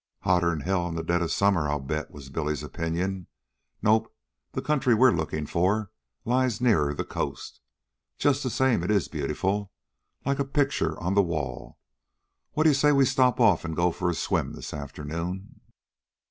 "Hotter'n hell in the dead of summer, I'll bet," was Billy's opinion. "Nope, the country we're lookin' for lies nearer the coast. Just the same it is beautiful... like a picture on the wall. What d'ye say we stop off an' go for a swim this afternoon?"